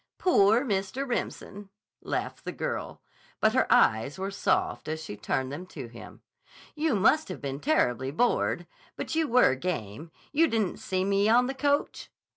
"Poor Mr. Remsen!" laughed the girl, but her eyes were soft as she turned them to him. "You must have been terribly bored. But you were game. You didn't see me on the coach?"